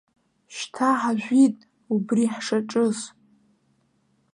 Шьҭа ҳажәит убри ҳшаҿыз.